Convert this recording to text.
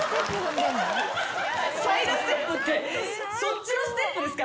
サイドステップってそっちのステップですか？